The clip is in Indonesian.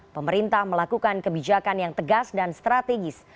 pemerintah melakukan kebijakan yang tegas dan strategis